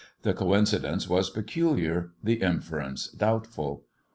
The coincidence was peculiar, a the inference doubtful.